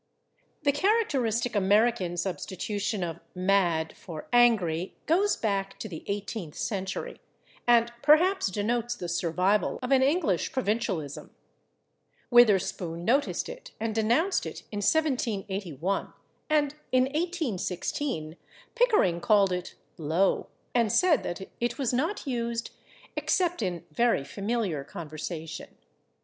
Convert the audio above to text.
The characteristic American substitution of /mad/ for /angry/ goes back to the eighteenth century, and perhaps denotes the survival of an English provincialism. Witherspoon noticed it and denounced it in 1781, and in 1816 Pickering called it "low" and said that it was not used "except in very familiar conversation."